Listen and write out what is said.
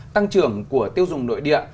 tăng trưởng của tiêu dùng nội địa